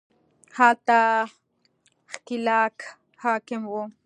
هلته ښکېلاک حاکم وو